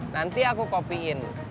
nanti aku copy in